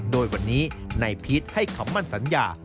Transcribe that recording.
โดยวันนี้นายพีชให้คำมั่นสัญญา